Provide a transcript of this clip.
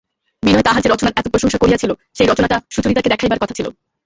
বিনয় তাহার যে রচনার এত প্রশংসা করিয়াছিল সেই রচনাটা সুচরিতাকে দেখাইবার কথা ছিল।